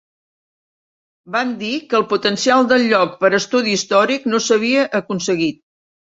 Van dir que el potencial del lloc per estudi històric no s'havia aconseguit.